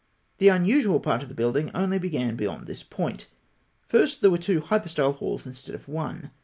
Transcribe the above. The unusual part of the building only began beyond this point. First, there were two hypostyle halls instead of one.